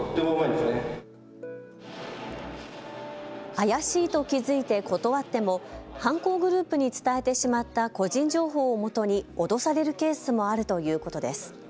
怪しいと気付いて断っても犯行グループに伝えてしまった個人情報をもとに脅されるケースもあるということです。